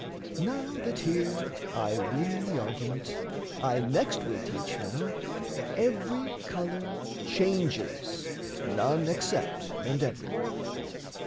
Now that here I win the argument, I next will teach Now, every colour changes, none except, And every...